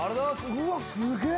うわすげえ。